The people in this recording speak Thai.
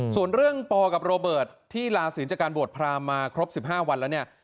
ส่วนเรื่องปอกับโรเบิร์ตที่ลาศิลปจากการบวชพรามมาครบ๑๕วันแล้วเนี่ย